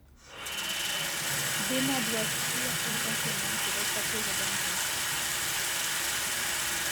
Deima doit fuir son campement pour échapper au danger.